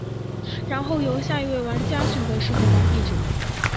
然后由下一位玩家选择是否当地主。